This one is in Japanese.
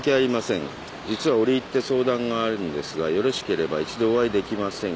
実は折り入って相談があるのですがよろしければ一度お会いできませんか？